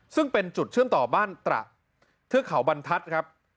ซึ่งเป็นจุดเชื่อมต่อบ้านตระเทือกเขาบรรทัศน์ครับ